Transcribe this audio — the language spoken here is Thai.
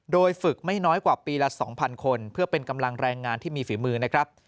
โดยฝึกไม่น้อยกว่าปีละ๒๐๐คนเพื่อเป็นกำลังแรงงานที่มีฝีมือนะครับ